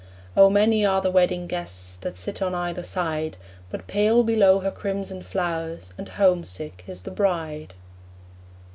O many are the wedding guests That sit on either side; But pale below her crimson flowers And homesick is the bride.